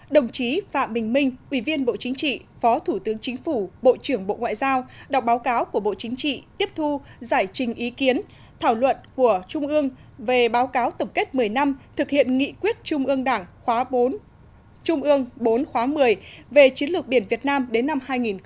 đồng chí phạm bình minh ủy viên bộ chính trị phó thủ tướng chính phủ bộ trưởng bộ ngoại giao đọc báo cáo của bộ chính trị tiếp thu giải trình ý kiến thảo luận của trung ương về báo cáo tổng kết một mươi năm thực hiện nghị quyết trung ương đảng khóa bốn trung ương bốn khóa một mươi về chiến lược biển việt nam đến năm hai nghìn ba mươi